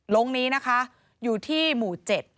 ลงนี้นะคะอยู่ที่หมู่๗